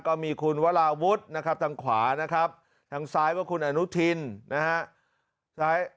ก็มีคุณวราวุฒิภาคทางขวานะครับซ้ายคุณโอ้นอิงมนะครับ